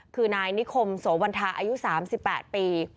คือนายนิคมโสวันทาอายุ๓๘ปี